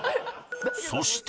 そして